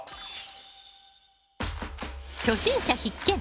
初心者必見！